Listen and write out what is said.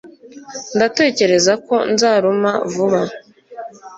Ndatekereza ko nzaruma vuba.